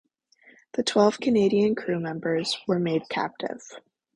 The twelve Canadian crew members were made captive.